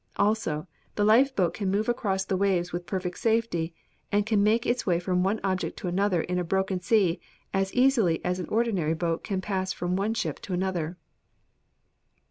Also, the lifeboat can move across the waves with perfect safety, and can make its way from one object to another in a broken sea as easily as an ordinary boat can pass from one ship to another.'"